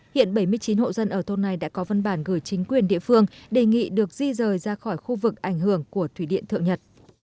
hiện bảy mươi chín hộ dân ở thôn này đã có văn bản gửi chính quyền địa phương đề nghị được di rời ra khỏi khu vực ảnh hưởng của thủy điện thượng nhật